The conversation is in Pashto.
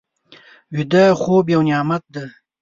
ویده خوب یو نعمت دی